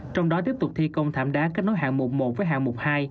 trong đó tiếp tục thi công thảm đá kết nối hạng một với hạng mục hai